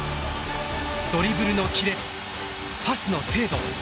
ドリブルのキレパスの精度。